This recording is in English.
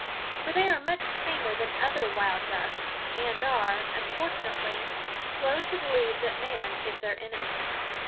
For they are much tamer than other wild ducks, and are, unfortunately, slow to believe that man is their enemy.